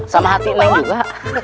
sama hati saya juga